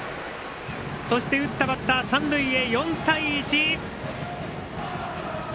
そして打ったバッター三塁へ４対１！